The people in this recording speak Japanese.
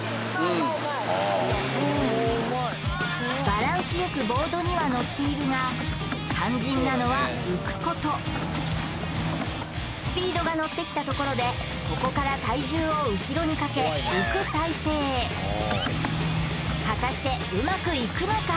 バランスよくボードには乗っているが肝心なのは浮くことスピードが乗ってきたところでここから果たしてうまくいくのか？